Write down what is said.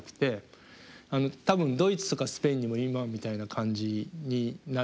多分ドイツとかスペインにも今みたいな感じになるかなと思います。